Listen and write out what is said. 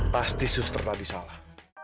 pasti suster tadi salah